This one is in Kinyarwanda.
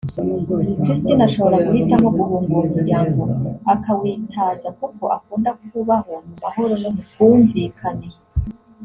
Christine ashobora guhitamo guhunga uwo muryango akawitaza kuko akunda kubaho mu mahoro no mu bwumvikane